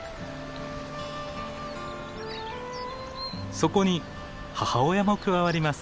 そこに母親も加わります。